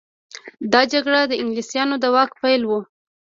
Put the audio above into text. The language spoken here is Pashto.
دا جګړه د انګلیسانو د واک پیل و.